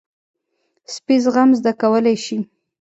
سپي زغم زده کولی شي.